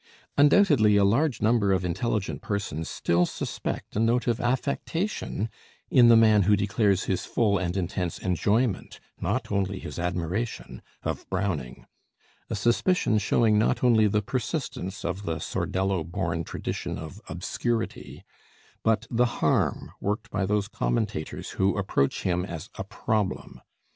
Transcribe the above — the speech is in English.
Undoubtedly a large number of intelligent persons still suspect a note of affectation in the man who declares his full and intense enjoyment not only his admiration of Browning; a suspicion showing not only the persistence of the Sordello born tradition of "obscurity," but the harm worked by those commentators who approach him as a problem.